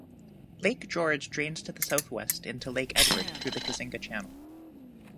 Lake George drains to the southwest into Lake Edward through the Kazinga Channel.